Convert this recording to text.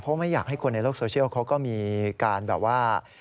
เพราะไม่อยากให้คนในโลกโซเชียลเขาก็มีการแบบว่า